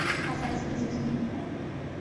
آسانی سے محظوظ نہیں ہوتا